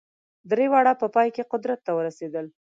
درې واړه په پای کې قدرت ته ورسېدل.